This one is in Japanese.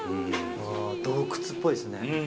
洞窟っぽいですね。